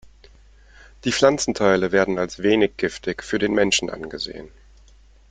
Die Pflanzenteile werden als wenig giftig für den Menschen angesehen.